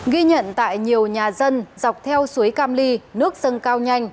ghi nhận tại nhiều nhà dân dọc theo suối cam ly nước dâng cao nhanh